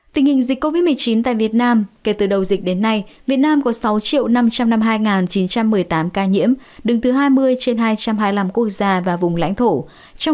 tình hình dịch covid một mươi chín tại việt nam kể từ đầu dịch đến nay việt nam có sáu năm trăm năm mươi hai chín trăm một mươi tám ca nhiễm đứng thứ hai mươi trên hai trăm hai mươi năm quốc gia và vùng lãnh thổ